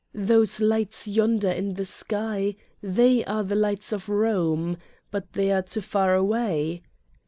Those lights yonder in the sky they are the lights of Rome. But they are too far away!"